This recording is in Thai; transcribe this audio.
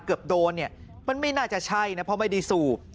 เกือบโดนเนี่ยมันไม่น่าจะใช่นะเพราะไม่ได้สูบ